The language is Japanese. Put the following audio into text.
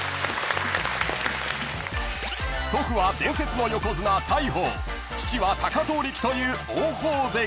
［祖父は伝説の横綱大鵬父は貴闘力という王鵬関］